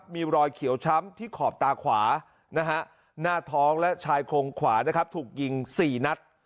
มีรอยเขียวช้ำที่ขอบตาขวาหน้าท้องและชายโครงขวาถูกยิง๔นัด